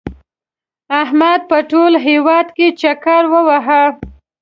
احمد په ټول هېواد کې چکر ووهه.